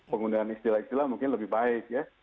penggunaan istilah istilah mungkin lebih baik ya